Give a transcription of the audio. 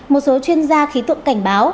một số chuyên gia khí tượng cảnh báo